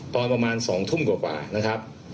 ตอนประมาณ๒ทุ่มกว่านะครับ